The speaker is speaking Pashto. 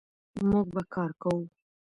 موږ به کار کوو.